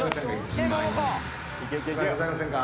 １万円ございませんか？